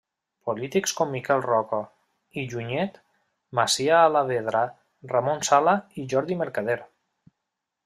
Polítics com Miquel Roca i Junyent, Macià Alavedra, Ramon Sala i Jordi Mercader.